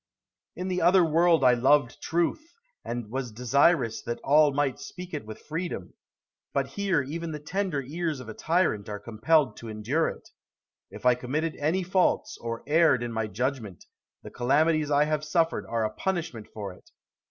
Brutus. In the other world I loved truth, and was desirous that all might speak it with freedom; but here even the tender ears of a tyrant are compelled to endure it. If I committed any faults, or erred in my judgment, the calamities I have suffered are a punishment for it.